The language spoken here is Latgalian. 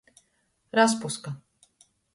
Raspuska.